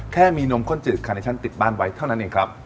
แค่มีนมข้นจืดคาเนชั่นติดบ้านไว้เท่านั้นเองครับ